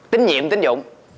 tính nhiệm tính dụng